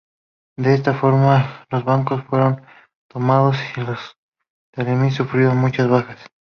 De esta forma los barcos fueron tomados y los Teleri sufrieron muchas bajas.